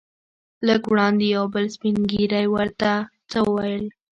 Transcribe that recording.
لږ وړاندې یو بل سپین ږیری ورته څه وویل.